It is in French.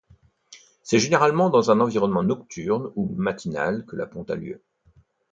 C’est généralement dans un environnement nocturne ou matinal que la ponte a lieu.